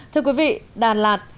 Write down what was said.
thưa quý vị đà lạt